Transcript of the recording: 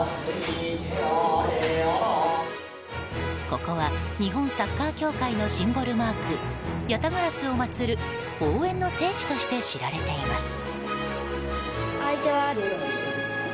ここは日本サッカー協会のシンボルマークヤタガラスを祭る応援の聖地として知られています。